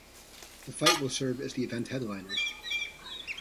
The fight will serve as the event headliner.